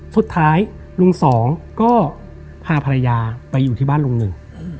สุดท้ายลุงสองก็พาภรรยาไปอยู่ที่บ้านลุงหนึ่ง